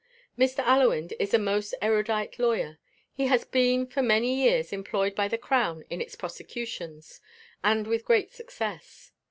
Mr. Allewinde is a most erudite lawyer. He has been for many years employed by the crown in its prosecutions, and with great success.